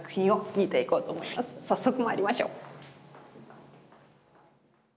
早速まいりましょう！